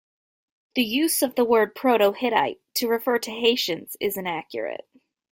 The use of the word "Proto-Hittite" to refer to Hattians is inaccurate.